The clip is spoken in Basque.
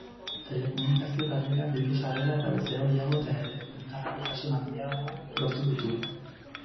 Telekomunikazio taldeak diru-sarrera eta bezero gehiago eta errentagarritasun handiagoa lortu ditu.